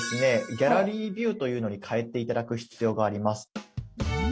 「ギャラリービュー」というのに替えて頂く必要があります。